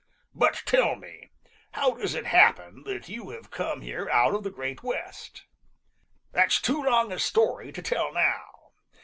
But tell me, how does it happen that you have come here out of the Great West?" "That's too long a story to tell now.